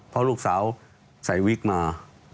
เพราะลูกสาวใส่วิกมา